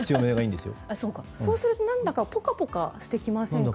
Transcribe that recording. そうすると何だかポカポカしてきませんか？